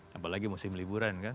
apalagi musim liburan kan